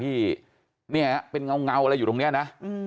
ที่เป็นเงาอะไรอยู่ตรงนี้นะ